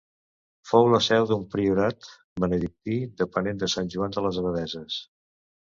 Fou la seu d'un priorat benedictí depenent de Sant Joan de les Abadesses.